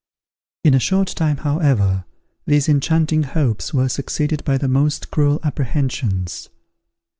In a short time, however, these enchanting hopes were succeeded by the most cruel apprehensions.